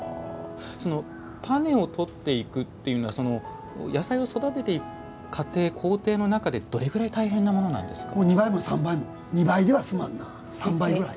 種を取っていくというのは野菜を育てていく過程工程の中で、どれぐらい大変なものなんですか？